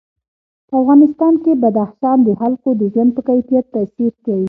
په افغانستان کې بدخشان د خلکو د ژوند په کیفیت تاثیر کوي.